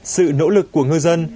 sự nỗ lực của ngư dân